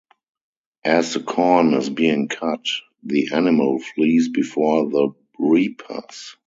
As the corn is being cut, the animal flees before the reapers.